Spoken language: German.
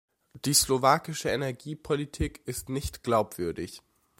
Die slowakische Energiepolitik ist nicht glaubwürdig.